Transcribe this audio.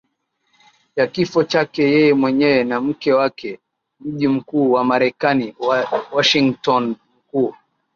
ya kifo chake yeye mwenyewe na mke wakeMji mkuu wa Marekani Washingtonmkuu